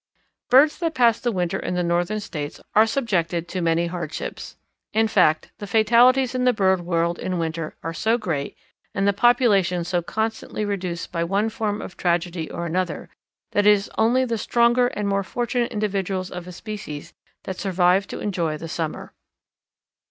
Birds that pass the winter in the Northern States are subjected to many hardships. In fact, the fatalities in the bird world in winter are so great, and the population so constantly reduced by one form of tragedy or another, that it is only the stronger and more fortunate individuals of a species that survive to enjoy the summer.